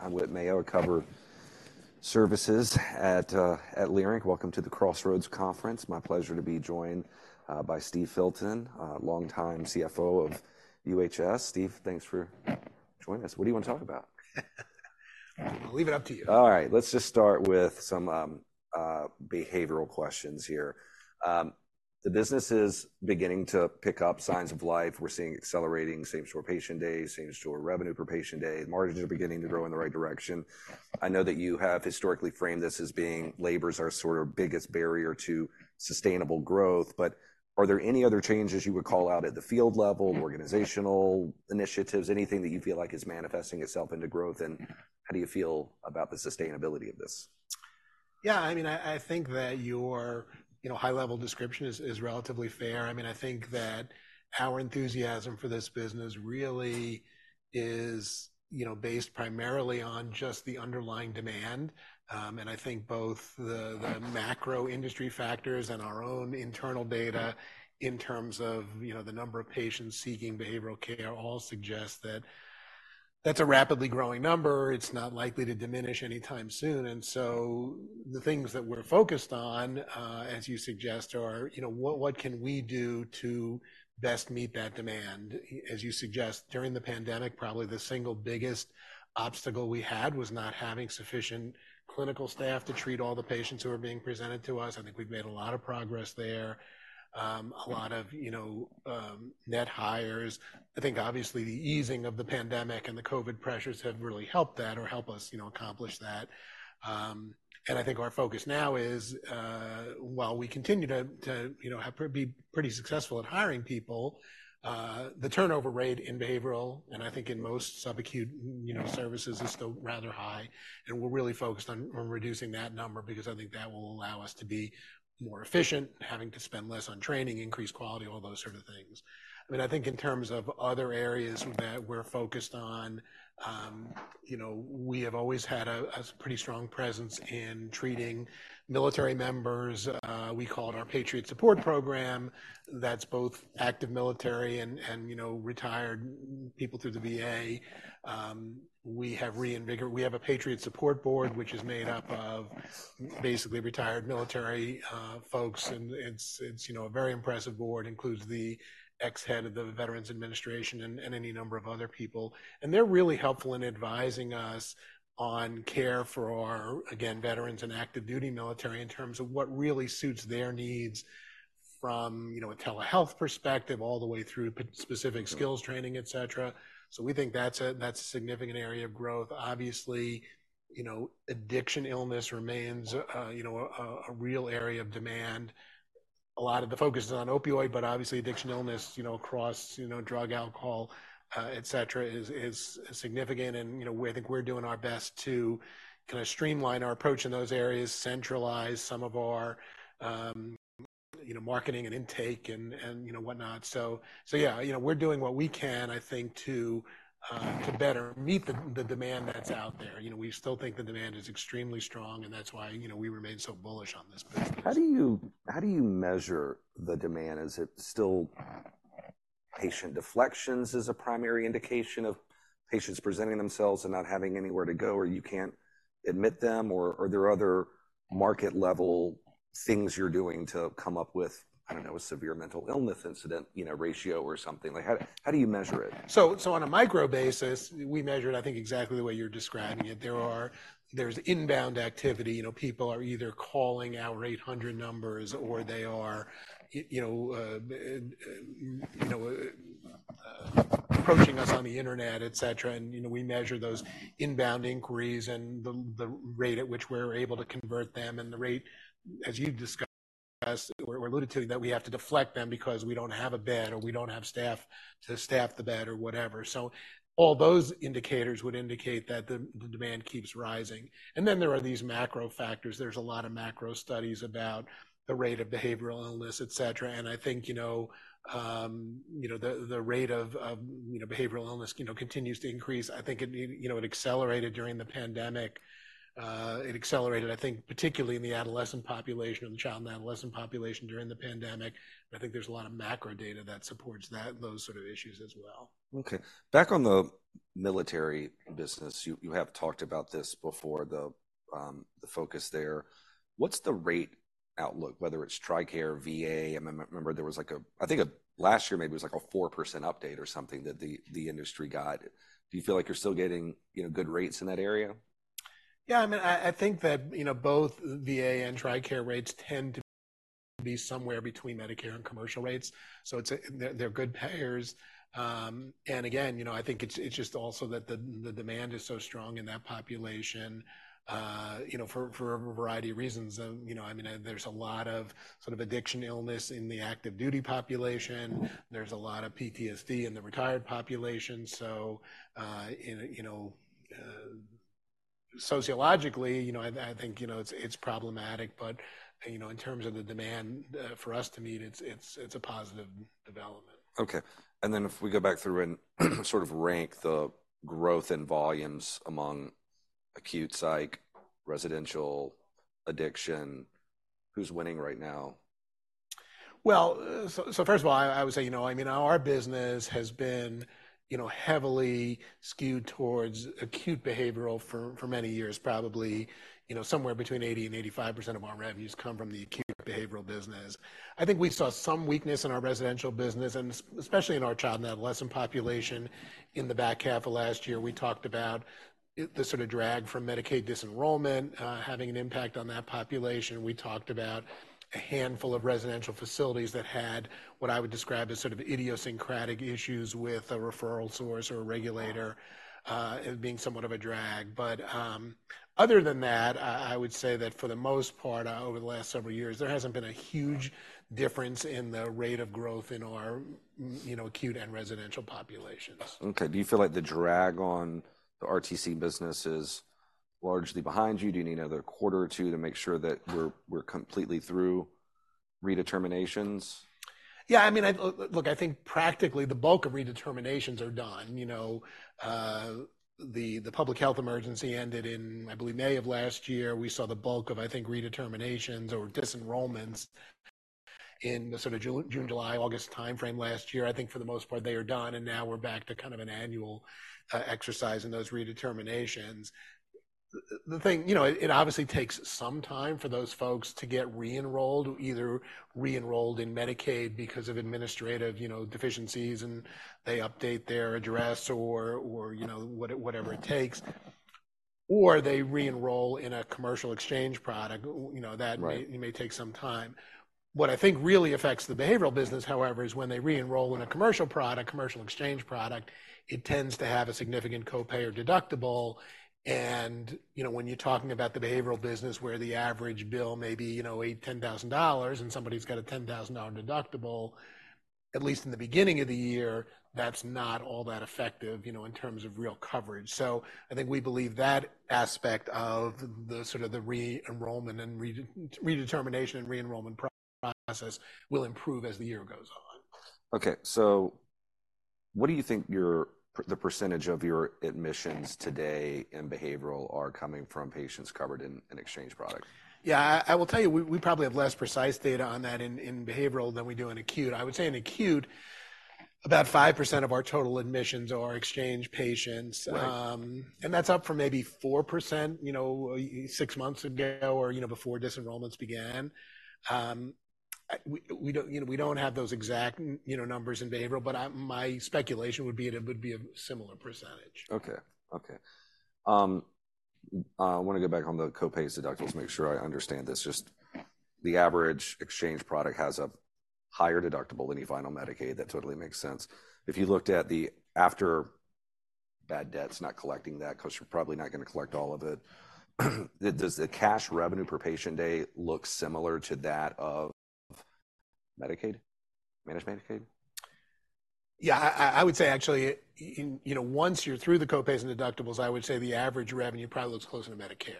I'm Whit Mayo. I cover services at Leerink. Welcome to the Crossroads Conference. My pleasure to be joined by Steve Filton, longtime CFO of UHS. Steve, thanks for joining us. What do you want to talk about? I'll leave it up to you. All right, let's just start with some behavioral questions here. The business is beginning to pick up signs of life. We're seeing accelerating same store patient days, same store revenue per patient day. Margins are beginning to grow in the right direction. I know that you have historically framed this as being labor as our sort of biggest barrier to sustainable growth, but are there any other changes you would call out at the field level, organizational initiatives, anything that you feel like is manifesting itself into growth? And how do you feel about the sustainability of this? Yeah, I mean, I think that your, you know, high-level description is relatively fair. I mean, I think that our enthusiasm for this business really is, you know, based primarily on just the underlying demand. And I think both the macro industry factors and our own internal data in terms of, you know, the number of patients seeking behavioral care, all suggest that that's a rapidly growing number. It's not likely to diminish anytime soon. And so the things that we're focused on, as you suggest, are, you know, what can we do to best meet that demand? As you suggest, during the pandemic, probably the single biggest obstacle we had was not having sufficient clinical staff to treat all the patients who are being presented to us. I think we've made a lot of progress there. A lot of, you know, net hires. I think obviously, the easing of the pandemic and the COVID pressures have really helped that or helped us, you know, accomplish that. And I think our focus now is, while we continue to, you know, be pretty successful at hiring people, the turnover rate in behavioral, and I think in most subacute, you know, services, is still rather high, and we're really focused on reducing that number, because I think that will allow us to be more efficient, having to spend less on training, increase quality, all those sort of things. I mean, I think in terms of other areas that we're focused on, you know, we have always had a pretty strong presence in treating military members. We call it our Patriot Support Program. That's both active military and, you know, retired people through the VA. We have reinvigorated. We have a Patriot Support Board, which is made up of basically retired military folks, and it's, you know, a very impressive board, includes the ex-head of the Veterans Administration and any number of other people. And they're really helpful in advising us on care for our, again, veterans and active duty military in terms of what really suits their needs from, you know, a telehealth perspective all the way through specific skills training, etc. So we think that's a significant area of growth. Obviously, you know, addiction illness remains, you know, a real area of demand. A lot of the focus is on opioid, but obviously, addiction illness, you know, across, you know, drug, alcohol, etc., is significant. You know, we think we're doing our best to kinda streamline our approach in those areas, centralize some of our, you know, marketing and intake and, you know, whatnot. So yeah, you know, we're doing what we can, I think, to, to better meet the demand that's out there. You know, we still think the demand is extremely strong, and that's why, you know, we remain so bullish on this business. How do you measure the demand? Is it still patient deflections as a primary indication of patients presenting themselves and not having anywhere to go, or you can't admit them, or are there other market-level things you're doing to come up with, I don't know, a severe mental illness incident, you know, ratio or something? Like, how do you measure it? So on a micro basis, we measure it, I think, exactly the way you're describing it. There's inbound activity, you know, people are either calling our 800 numbers or they are, you know, approaching us on the internet, etc. And, you know, we measure those inbound inquiries and the rate at which we're able to convert them and the rate, as you've discussed or alluded to, that we have to deflect them because we don't have a bed or we don't have staff to staff the bed or whatever. So all those indicators would indicate that the demand keeps rising. And then there are these macro factors. There's a lot of macro studies about the rate of behavioral illness, etc. I think, you know, the rate of behavioral illness, you know, continues to increase. I think, you know, it accelerated during the pandemic. It accelerated, I think, particularly in the adolescent population or the child and adolescent population during the pandemic. I think there's a lot of macro data that supports that, those sort of issues as well. Okay. Back on the military business, you have talked about this before, the focus there. What's the rate outlook, whether it's TRICARE, VA? I remember there was like a... I think last year, maybe it was like a 4% update or something that the industry got. Do you feel like you're still getting, you know, good rates in that area? Yeah, I mean, I think that, you know, both VA and TRICARE rates tend to be somewhere between Medicare and commercial rates, so it's, they're good payers. And again, you know, I think it's just also that the demand is so strong in that population, you know, for a variety of reasons. You know, I mean, there's a lot of sort of addiction illness in the active duty population. There's a lot of PTSD in the retired population. So, you know, sociologically, you know, I think, you know, it's problematic, but, you know, in terms of the demand for us to meet, it's a positive development. Okay. And then if we go back through and sort of rank the growth in volumes among acute psych, residential addiction, who's winning right now?... Well, so first of all, I would say, you know, I mean, our business has been, you know, heavily skewed towards acute behavioral for many years. Probably, you know, somewhere between 80% and 85% of our revenues come from the acute behavioral business. I think we saw some weakness in our residential business, and especially in our child and adolescent population in the back half of last year. We talked about the sort of drag from Medicaid disenrollment having an impact on that population. We talked about a handful of residential facilities that had what I would describe as sort of idiosyncratic issues with a referral source or a regulator being somewhat of a drag. But, other than that, I would say that for the most part, over the last several years, there hasn't been a huge difference in the rate of growth in our, you know, acute and residential populations. Okay. Do you feel like the drag on the RTC business is largely behind you? Do you need another quarter or two to make sure that we're completely through redeterminations? Yeah, I mean, I look, I think practically, the bulk of redeterminations are done, you know. The public health emergency ended in, I believe, May of last year. We saw the bulk of, I think, redeterminations or disenrollments in the sort of June, June, July, August time frame last year. I think for the most part, they are done, and now we're back to kind of an annual exercise in those redeterminations. The thing... You know, it obviously takes some time for those folks to get re-enrolled, either re-enrolled in Medicaid because of administrative, you know, deficiencies, and they update their address or, or, you know, whatever it takes, or they re-enroll in a commercial exchange product. You know, that- Right... may take some time. What I think really affects the behavioral business, however, is when they re-enroll in a commercial product, commercial exchange product, it tends to have a significant co-pay or deductible. And, you know, when you're talking about the behavioral business, where the average bill may be, you know, $8,000-$10,000, and somebody's got a $10,000 deductible, at least in the beginning of the year, that's not all that effective, you know, in terms of real coverage. So I think we believe that aspect of the sort of the re-enrollment and redetermination and re-enrollment process will improve as the year goes on. Okay, so what do you think the percentage of your admissions today in behavioral are coming from patients covered in, in exchange products? Yeah, I will tell you, we probably have less precise data on that in behavioral than we do in acute. I would say in acute, about 5% of our total admissions are exchange patients. Right. And that's up from maybe 4%, you know, six months ago or, you know, before disenrollments began. We don't, you know, have those exact, you know, numbers in behavioral, but my speculation would be it would be a similar percentage. Okay, okay. I want to go back on the co-pays, deductibles, make sure I understand this. Just the average exchange product has a higher deductible than you find on Medicaid. That totally makes sense. If you looked at the after bad debts, not collecting that, 'cause you're probably not gonna collect all of it, does the cash revenue per patient day look similar to that of Medicaid, managed Medicaid? Yeah, I would say actually, you know, once you're through the co-pays and deductibles, I would say the average revenue probably looks closer to Medicare.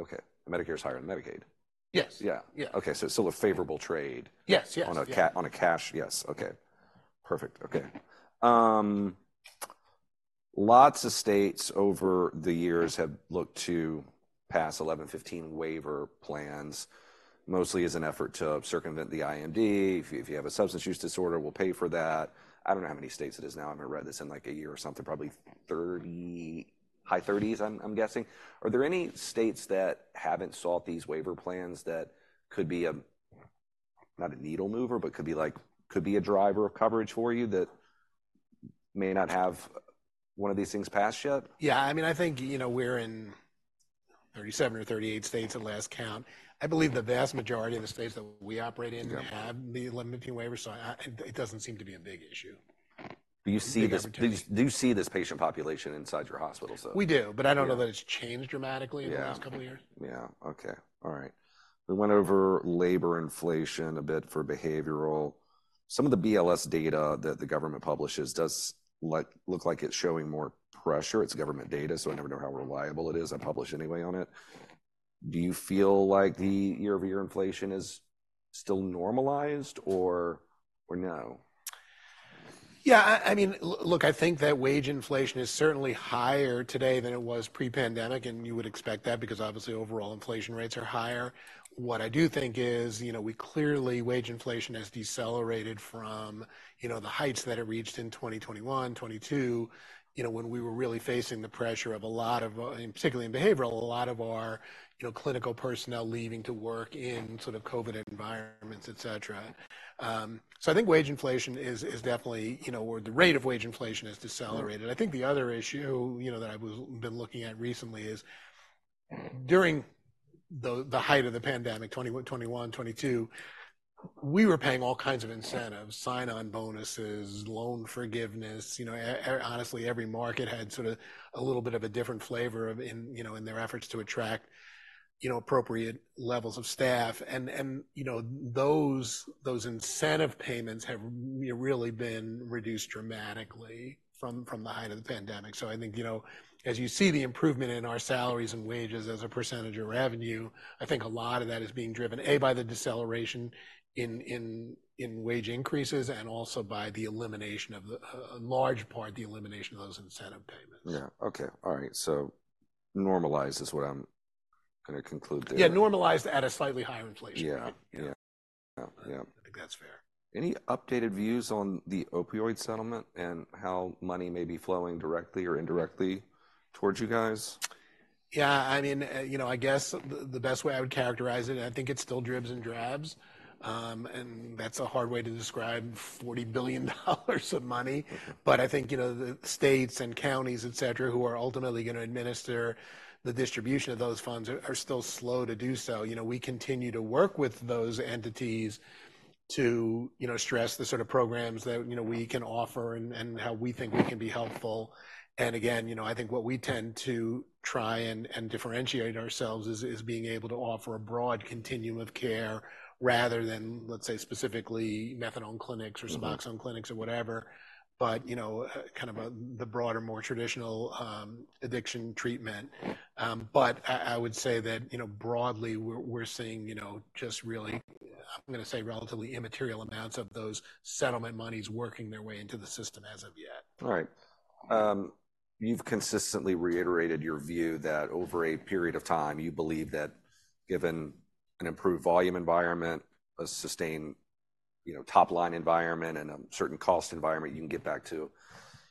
Okay. Medicare is higher than Medicaid? Yes. Yeah. Yeah. Okay, so it's still a favorable trade- Yes, yes... on a cash? Yes. Okay, perfect. Okay. Lots of states over the years have looked to pass 1115 waiver plans, mostly as an effort to circumvent the IMD. If, if you have a substance use disorder, we'll pay for that. I don't know how many states it is now. I haven't read this in, like, a year or something, probably 30, high 30s, I'm, I'm guessing. Are there any states that haven't sought these waiver plans that could be a, not a needle mover, but could be like, could be a driver of coverage for you, that may not have one of these things passed yet? Yeah, I mean, I think, you know, we're in 37 or 38 states at last count. I believe the vast majority of the states that we operate in- Yeah... have the 1115 waiver, so it doesn't seem to be a big issue. Do you see this- A big opportunity. Do you see this patient population inside your hospitals, though? We do- Yeah... but I don't know that it's changed dramatically- Yeah... in the last couple of years. Yeah, okay. All right. We went over labor inflation a bit for behavioral. Some of the BLS data that the government publishes does look like it's showing more pressure. It's government data, so I never know how reliable it is. I publish anyway on it. Do you feel like the year-over-year inflation is still normalized or no? Yeah, I mean, look, I think that wage inflation is certainly higher today than it was pre-pandemic, and you would expect that because obviously overall inflation rates are higher. What I do think is, you know, we clearly, wage inflation has decelerated from, you know, the heights that it reached in 2021, 2022, you know, when we were really facing the pressure of a lot of, particularly in behavioral, a lot of our, you know, clinical personnel leaving to work in sort of COVID environments, et cetera. So I think wage inflation is definitely, you know, or the rate of wage inflation has decelerated. I think the other issue, you know, that I've been looking at recently is, during the height of the pandemic, 2021, 2022, we were paying all kinds of incentives, sign-on bonuses, loan forgiveness. You know, honestly, every market had sort of a little bit of a different flavor in their efforts to attract, you know, appropriate levels of staff. And you know, those incentive payments have really been reduced dramatically from the height of the pandemic. So I think, you know, as you see the improvement in our salaries and wages as a percentage of revenue, I think a lot of that is being driven, A, by the deceleration in wage increases and also by the elimination of a large part of those incentive payments. Yeah. Okay. All right, normalized is what I'm gonna conclude there. Yeah, normalized at a slightly higher inflation rate. Yeah. Yeah. Yeah, yeah. I think that's fair. Any updated views on the opioid settlement and how money may be flowing directly or indirectly towards you guys? Yeah, I mean, you know, I guess the best way I would characterize it, I think it's still dribs and drabs. And that's a hard way to describe $40 billion of money. But I think, you know, the states and counties, et cetera, who are ultimately gonna administer the distribution of those funds are still slow to do so. You know, we continue to work with those entities to, you know, stress the sort of programs that, you know, we can offer and how we think we can be helpful. And again, you know, I think what we tend to try and differentiate ourselves is being able to offer a broad continuum of care rather than, let's say, specifically methadone clinics or- Mm-hmm... Suboxone clinics or whatever. But, you know, kind of the broader, more traditional addiction treatment. But I would say that, you know, broadly, we're seeing, you know, just really, I'm gonna say, relatively immaterial amounts of those settlement monies working their way into the system as of yet. All right. You've consistently reiterated your view that over a period of time, you believe that given an improved volume environment, a sustained, you know, top-line environment, and a certain cost environment, you can get back to,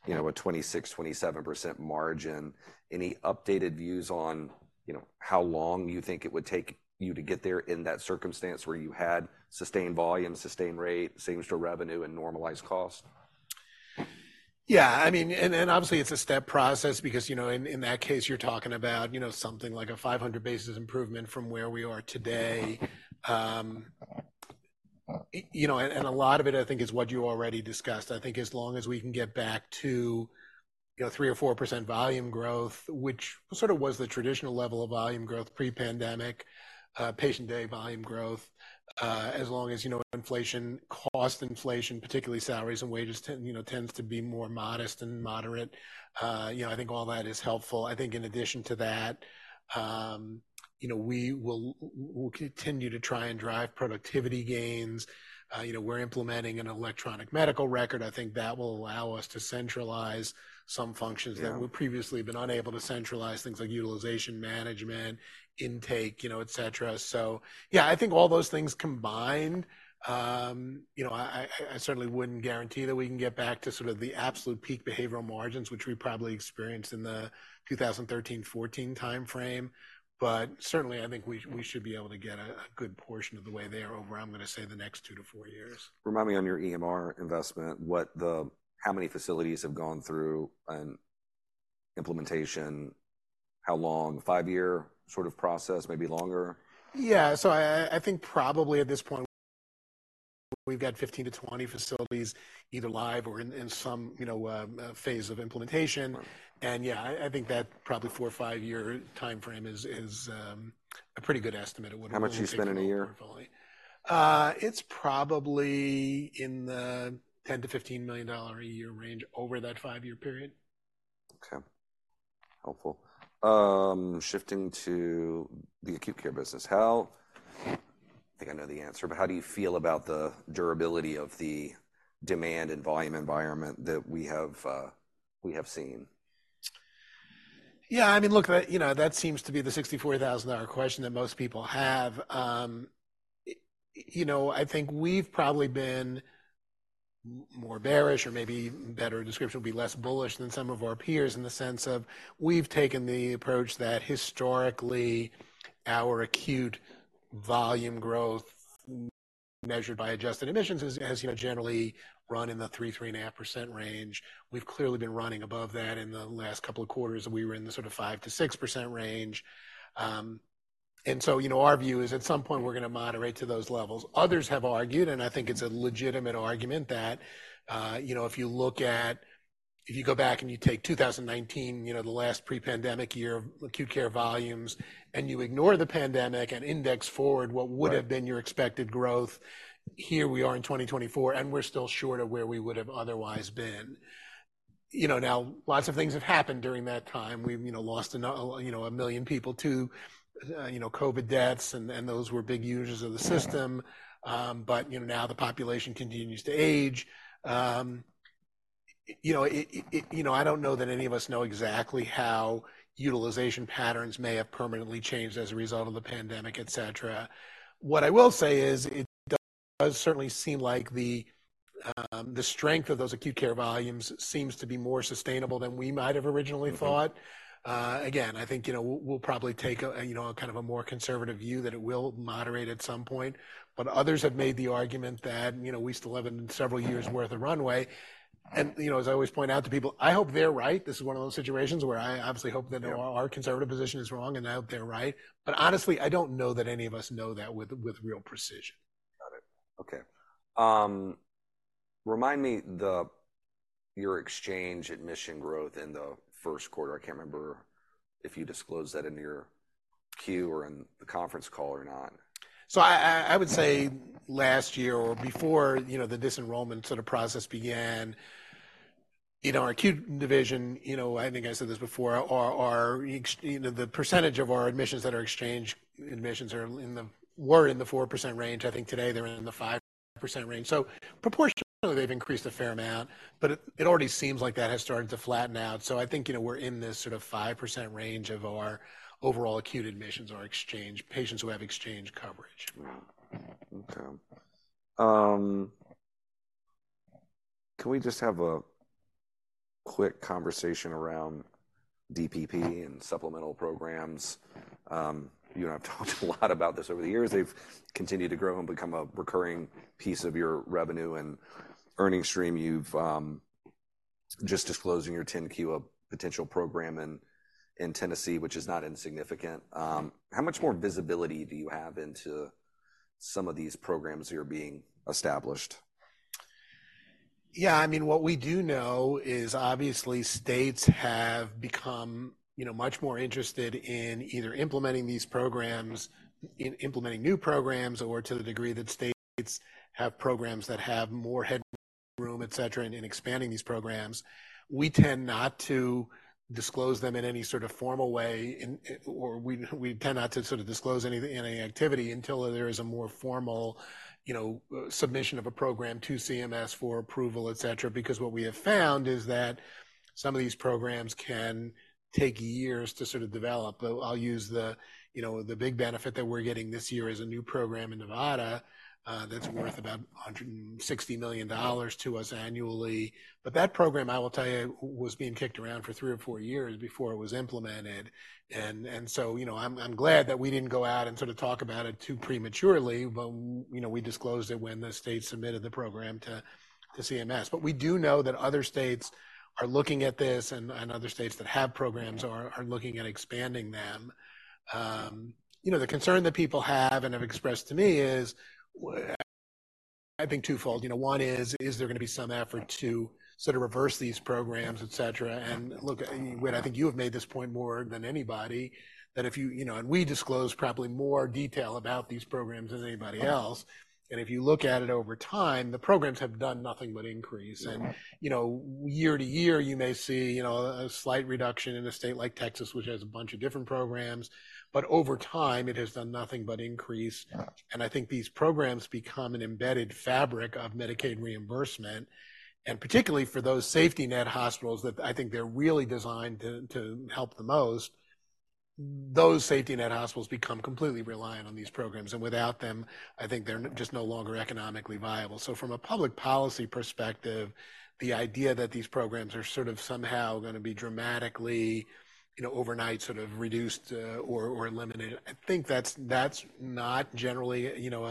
you know, a 26%-27% margin. Any updated views on, you know, how long you think it would take you to get there in that circumstance where you had sustained volume, sustained rate, same store revenue, and normalized cost? Yeah, I mean, and obviously, it's a step process because, you know, in that case, you're talking about, you know, something like a 500 basis improvement from where we are today. You know, and a lot of it, I think, is what you already discussed. I think as long as we can get back to, you know, 3%-4% volume growth, which sort of was the traditional level of volume growth pre-pandemic, patient day volume growth, as long as, you know, inflation, cost inflation, particularly salaries and wages, tends to be more modest and moderate, you know, I think all that is helpful. I think in addition to that, you know, we'll continue to try and drive productivity gains. You know, we're implementing an electronic medical record. I think that will allow us to centralize some functions- Yeah... that we've previously been unable to centralize, things like utilization management, intake, you know, et cetera. So yeah, I think all those things combined, you know, I certainly wouldn't guarantee that we can get back to sort of the absolute peak behavioral margins, which we probably experienced in the 2013-14 time frame, but certainly, I think we- Mm... we should be able to get a good portion of the way there over, I'm gonna say, the next 2-4 years. Remind me on your EMR investment, what, how many facilities have gone through an implementation? How long? A five-year sort of process, maybe longer? Yeah. So I think probably at this point, we've got 15-20 facilities either live or in some, you know, phase of implementation. Right. Yeah, I think that probably 4- or 5-year timeframe is a pretty good estimate of what- How much you spend in a year? It's probably in the $10 million-$15 million a year range over that 5-year period. Okay. Helpful. Shifting to the acute care business, how... I think I know the answer, but how do you feel about the durability of the demand and volume environment that we have seen? Yeah, I mean, look, that, you know, that seems to be the $64,000 question that most people have. You know, I think we've probably been more bearish, or maybe a better description would be less bullish than some of our peers, in the sense of we've taken the approach that historically, our acute volume growth, measured by adjusted admissions, has, you know, generally run in the 3%-3.5% range. We've clearly been running above that in the last couple of quarters, and we were in the sort of 5%-6% range. And so, you know, our view is at some point, we're gonna moderate to those levels. Others have argued, and I think it's a legitimate argument, that, you know, if you go back and you take 2019, you know, the last pre-pandemic year of acute care volumes, and you ignore the pandemic and index forward- Right... what would have been your expected growth, here we are in 2024, and we're still short of where we would have otherwise been. You know, now, lots of things have happened during that time. We've, you know, lost 1 million people to, you know, COVID deaths, and those were big users of the system. Yeah. But, you know, now the population continues to age. You know, it, you know, I don't know that any of us know exactly how utilization patterns may have permanently changed as a result of the pandemic, et cetera. What I will say is, it does certainly seem like the strength of those acute care volumes seems to be more sustainable than we might have originally thought. Mm-hmm. Again, I think, you know, we'll probably take, you know, a kind of more conservative view, that it will moderate at some point. But others have made the argument that, you know, we still have several years' worth of runway. And, you know, as I always point out to people, I hope they're right. This is one of those situations where I obviously hope that- Yeah... our conservative position is wrong, and I hope they're right. But honestly, I don't know that any of us know that with real precision. Got it. Okay. Remind me your exchange admission growth in the first quarter. I can't remember if you disclosed that in your Q or in the conference call or not. So I would say last year or before, you know, the disenrollment sort of process began, in our acute division, you know, I think I said this before, our exchange, you know, the percentage of our admissions that are exchange admissions were in the 4% range. I think today they're in the 5% range. So proportionally, they've increased a fair amount, but it already seems like that has started to flatten out. So I think, you know, we're in this sort of 5% range of our overall acute admissions, our exchange patients who have exchange coverage. Okay. Can we just have a quick conversation around DPP and supplemental programs? You know, I've talked a lot about this over the years. They've continued to grow and become a recurring piece of your revenue and earning stream. You've just disclosing your 10-Q, a potential program in Tennessee, which is not insignificant. How much more visibility do you have into some of these programs that are being established? Yeah, I mean, what we do know is obviously states have become, you know, much more interested in either implementing these programs, implementing new programs, or to the degree that states have programs that have more headroom, et cetera, and in expanding these programs. We tend not to disclose them in any sort of formal way, in... Or we tend not to sort of disclose any activity until there is a more formal, you know, submission of a program to CMS for approval, et cetera, because what we have found is that some of these programs can take years to sort of develop. I'll use the, you know, the big benefit that we're getting this year is a new program in Nevada, that's worth about $160 million to us annually. But that program, I will tell you, was being kicked around for three or four years before it was implemented. And so, you know, I'm glad that we didn't go out and sort of talk about it too prematurely, but, you know, we disclosed it when the state submitted the program to CMS. But we do know that other states are looking at this, and other states that have programs are looking at expanding them. You know, the concern that people have and have expressed to me is, I think twofold. You know, one is, is there going to be some effort to sort of reverse these programs, et cetera? And look, and I think you have made this point more than anybody, that if you... You know, and we disclose probably more detail about these programs than anybody else, and if you look at it over time, the programs have done nothing but increase. Yeah. You know, year to year, you may see, you know, a slight reduction in a state like Texas, which has a bunch of different programs, but over time, it has done nothing but increase. Yeah. And I think these programs become an embedded fabric of Medicaid reimbursement, and particularly for those safety net hospitals that I think they're really designed to help the most. Those safety net hospitals become completely reliant on these programs, and without them, I think they're just no longer economically viable. So from a public policy perspective, the idea that these programs are sort of somehow gonna be dramatically, you know, overnight, sort of reduced, or eliminated, I think that's not generally, you know,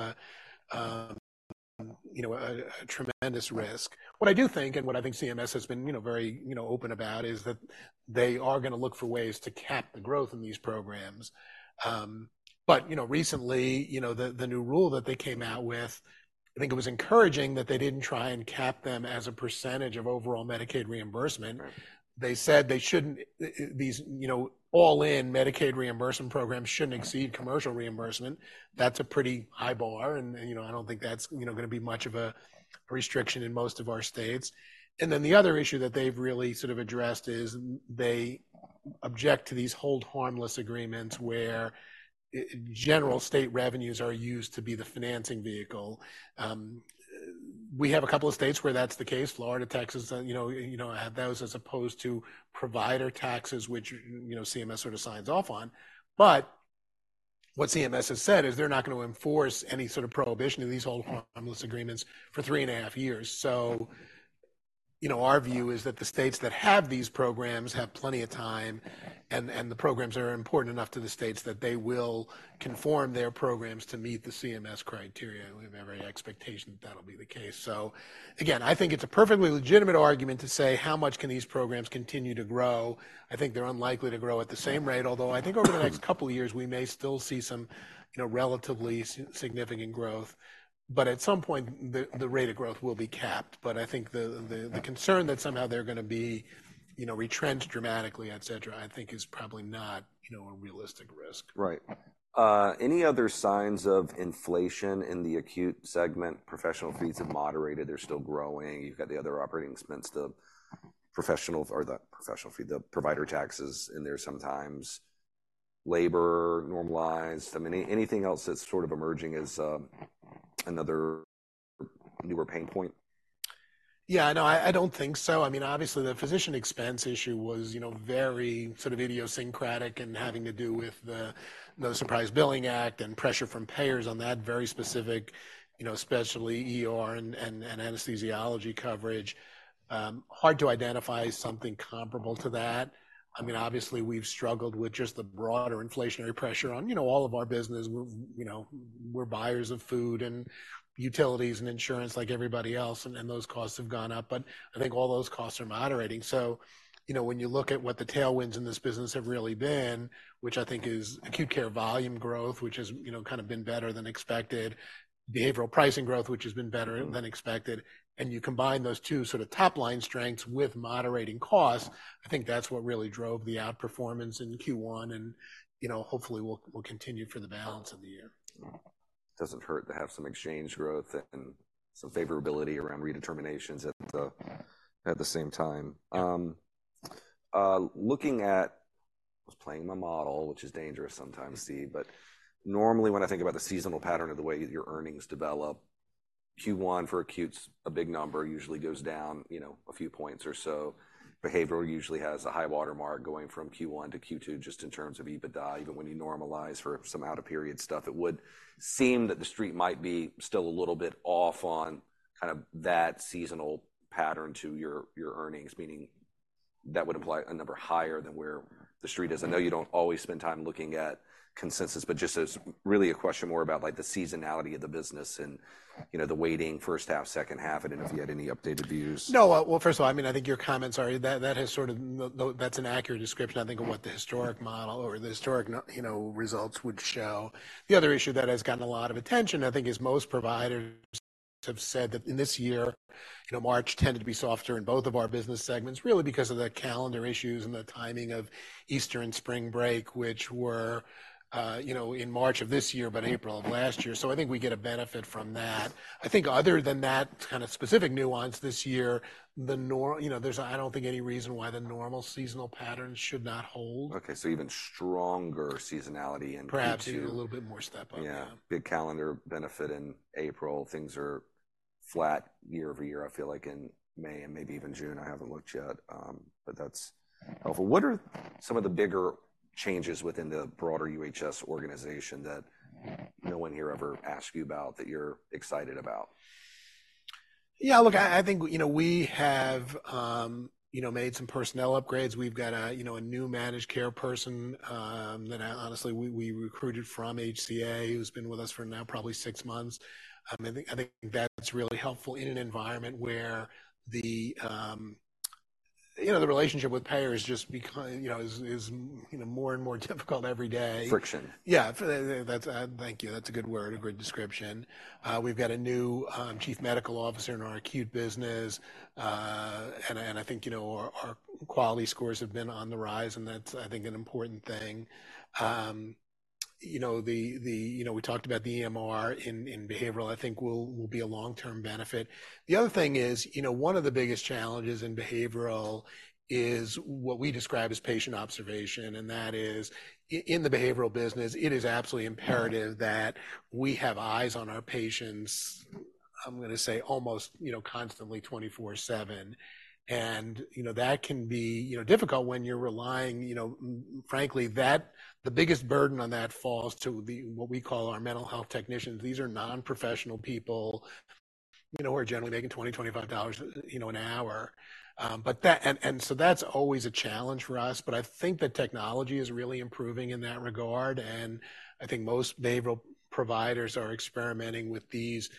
a tremendous risk. What I do think, and what I think CMS has been, you know, very, you know, open about, is that they are gonna look for ways to cap the growth in these programs. But, you know, recently, you know, the new rule that they came out with, I think it was encouraging that they didn't try and cap them as a percentage of overall Medicaid reimbursement. Right. They said they shouldn't, these, you know, all-in Medicaid reimbursement programs shouldn't exceed commercial reimbursement. That's a pretty high bar, and, you know, I don't think that's, you know, gonna be much of a restriction in most of our states. And then the other issue that they've really sort of addressed is they object to these hold harmless agreements where general state revenues are used to be the financing vehicle. We have a couple of states where that's the case, Florida, Texas, you know, have those as opposed to provider taxes, which, you know, CMS sort of signs off on. But what CMS has said is they're not gonna enforce any sort of prohibition of these hold harmless agreements for three and a half years. So, you know, our view is that the states that have these programs have plenty of time, and the programs are important enough to the states that they will conform their programs to meet the CMS criteria. We have every expectation that that'll be the case. So again, I think it's a perfectly legitimate argument to say: How much can these programs continue to grow? I think they're unlikely to grow at the same rate, although I think over the next couple of years, we may still see some, you know, relatively significant growth, but at some point, the concern that somehow they're gonna be, you know, retrenched dramatically, et cetera, I think is probably not, you know, a realistic risk. Right. Any other signs of inflation in the acute segment? Professional fees have moderated. They're still growing. You've got the other operating expense, the professional... Or the professional fee, the provider taxes in there sometimes, labor normalized. I mean, anything else that's sort of emerging as another newer pain point? Yeah, no, I don't think so. I mean, obviously, the physician expense issue was, you know, very sort of idiosyncratic and having to do with the No Surprises Act and pressure from payers on that very specific, you know, especially ER and anesthesiology coverage. Hard to identify something comparable to that. I mean, obviously, we've struggled with just the broader inflationary pressure on, you know, all of our business. We're, you know, we're buyers of food and utilities and insurance like everybody else, and those costs have gone up, but I think all those costs are moderating. So, you know, when you look at what the tailwinds in this business have really been, which I think is acute care volume growth, which has, you know, kind of been better than expected, behavioral pricing growth, which has been better than expected, and you combine those two sort of top-line strengths with moderating costs, I think that's what really drove the outperformance in Q1, and, you know, hopefully will continue for the balance of the year. It doesn't hurt to have some exchange growth and some favorability around redeterminations at the, at the same time. Playing my model, which is dangerous sometimes, Steve. But normally, when I think about the seasonal pattern of the way your earnings develop, Q1 for acute's a big number, usually goes down, you know, a few points or so. Behavioral usually has a high water mark going from Q1 to Q2, just in terms of EBITDA, even when you normalize for some out-of-period stuff, it would seem that the street might be still a little bit off on kind of that seasonal pattern to your, your earnings, meaning that would imply a number higher than where the street is. I know you don't always spend time looking at consensus, but just a really a question more about, like, the seasonality of the business and, you know, the weighting first half, second half. I don't know if you had any updated views. No. Well, first of all, I mean, I think your comments are that, that has sort of that's an accurate description, I think, of what the historic model or the historic, you know, results would show. The other issue that has gotten a lot of attention, I think, is most providers have said that in this year, you know, March tended to be softer in both of our business segments, really, because of the calendar issues and the timing of Easter and spring break, which were, you know, in March of this year, but April of last year. So I think we get a benefit from that. I think other than that kind of specific nuance this year, the normal, you know, there's, I don't think, any reason why the normal seasonal patterns should not hold. Okay, so even stronger seasonality in Q2. Perhaps even a little bit more step up, yeah. Yeah. Big calendar benefit in April. Things are flat year-over-year, I feel like in May and maybe even June. I haven't looked yet, but that's helpful. What are some of the bigger changes within the broader UHS organization that no one here ever asked you about, that you're excited about? Yeah, look, I think, you know, we have, you know, made some personnel upgrades. We've got a, you know, a new managed care person, that honestly, we recruited from HCA, who's been with us for now, probably 6 months. I think that's really helpful in an environment where the, you know, the relationship with payers just become, you know, is, you know, more and more difficult every day. Friction. Yeah, for the-- that's... Thank you. That's a good word, a great description. We've got a new chief medical officer in our acute business, and I think, you know, our quality scores have been on the rise, and that's, I think, an important thing. You know, we talked about the EMR in behavioral, I think will be a long-term benefit. The other thing is, you know, one of the biggest challenges in behavioral is what we describe as patient observation, and that is in the behavioral business, it is absolutely imperative that we have eyes on our patients, I'm gonna say, almost, you know, constantly, 24/7. And, you know, that can be, you know, difficult when you're relying, you know, frankly, the biggest burden on that falls to the, what we call our mental health technicians. These are non-professional people, you know, who are generally making $20-$25 an hour. But that's always a challenge for us, but I think the technology is really improving in that regard, and I think most behavioral providers are experimenting with these,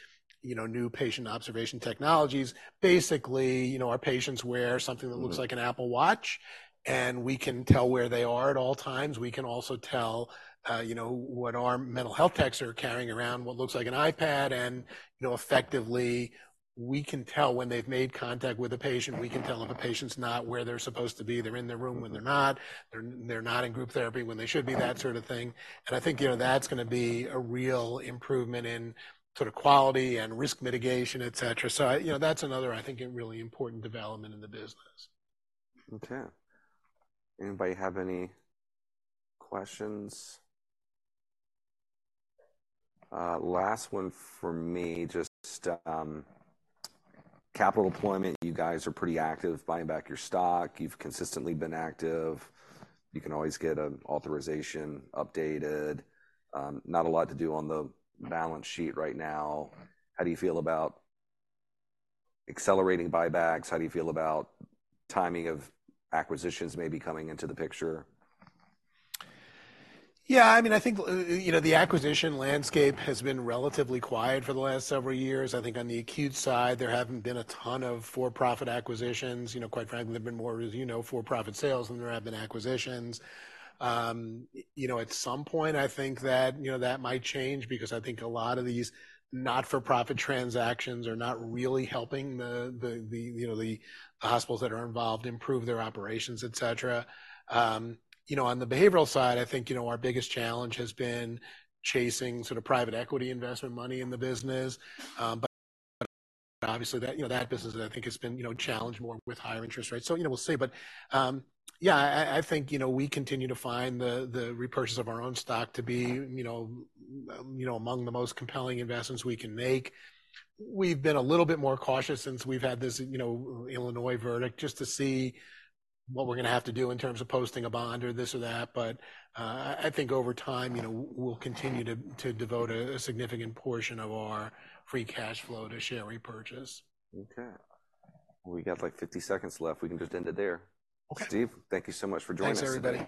you know, new patient observation technologies. Basically, you know, our patients wear something that- Mm-hmm... looks like an Apple Watch, and we can tell where they are at all times. We can also tell, you know, what our mental health techs are carrying around, what looks like an iPad, and, you know, effectively, we can tell when they've made contact with a patient. We can tell if a patient's not where they're supposed to be, they're in their room when they're not, they're, they're not in group therapy when they should be, that sort of thing. And I think, you know, that's gonna be a real improvement in sort of quality and risk mitigation, et cetera. So, you know, that's another, I think, a really important development in the business. Okay. Anybody have any questions? Last one for me, just, capital deployment. You guys are pretty active buying back your stock. You've consistently been active. You can always get an authorization updated. Not a lot to do on the balance sheet right now. How do you feel about accelerating buybacks? How do you feel about timing of acquisitions maybe coming into the picture? Yeah, I mean, I think, you know, the acquisition landscape has been relatively quiet for the last several years. I think on the acute side, there haven't been a ton of for-profit acquisitions. You know, quite frankly, there have been more, as you know, for-profit sales than there have been acquisitions. You know, at some point, I think that, you know, that might change because I think a lot of these not-for-profit transactions are not really helping the, you know, the hospitals that are involved improve their operations, et cetera. You know, on the behavioral side, I think, you know, our biggest challenge has been chasing sort of private equity investment money in the business. But obviously, that, you know, that business, I think, has been, you know, challenged more with higher interest rates. So, you know, we'll see, but, yeah, I think, you know, we continue to find the repurchase of our own stock to be, you know, among the most compelling investments we can make. We've been a little bit more cautious since we've had this, you know, Illinois verdict, just to see what we're gonna have to do in terms of posting a bond or this or that, but, I think over time, you know, we'll continue to devote a significant portion of our free cash flow to share repurchase. Okay. We got, like, 50 seconds left. We can just end it there. Okay. Steve, thank you so much for joining us. Thanks, everybody.